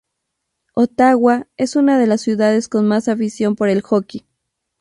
Ottawa es una de las ciudades con más afición por el hockey.